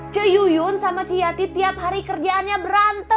ci yuyun sama ci yati tiap hari kerjaannya berantem